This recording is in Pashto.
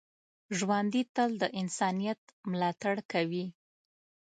ژوندي تل د انسانیت ملاتړ کوي